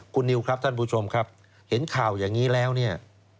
คุณนิวครับท่านผู้ชมครับเห็นข่าวอย่างนี้แล้วเนี่ย